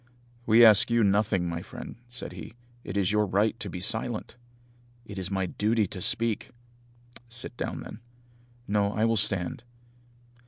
"We ask you nothing, my friend," said he, "it is your right to be silent." "It is my duty to speak." "Sit down, then." "No, I will stand."